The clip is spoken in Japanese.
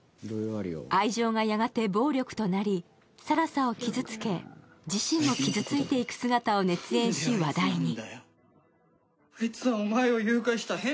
愛情がやがて暴力となり更紗を傷つけ、自身も傷ついていく姿を熱演し、話題に。